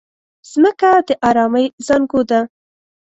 مځکه د ارامۍ زانګو ده.